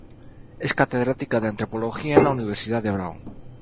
Es catedrática de antropología en la Universidad de Brown.